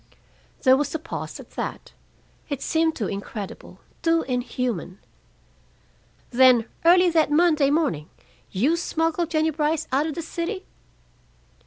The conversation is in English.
There was a pause at that. It seemed too incredible, too inhuman. "Then, early that Monday morning, you smuggled Jennie Brice out of the city?"